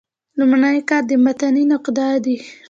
لومړنی کار د متني نقاد دﺉ.